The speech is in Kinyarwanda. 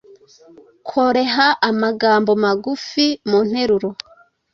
Koreha amagambo magufi munteruro